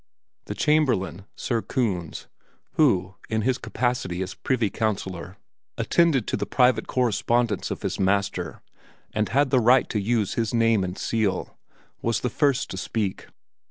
The Chamberlain, Sir Kunz, who in his capacity of privy councilor, attended to the private correspondence of his master and had the right to use his name and seal, was the first to speak.